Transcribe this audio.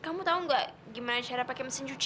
kamu tau gak gimana cara pakai mesin cuci